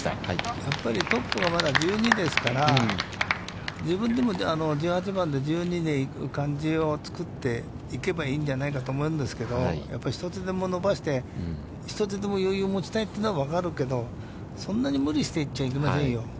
やっぱりトップが１２ですから、自分でも１８番で１２で行く感じをつくっていけばいいんじゃないかと思うんですけど、やっぱり一つでも伸ばして一つでも余裕を持ちたいというのは分かるけど、そんなに無理して行っちゃいけませんよ。